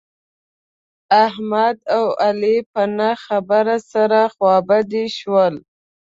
احمد او علي په نه خبره سره خوابدي شول.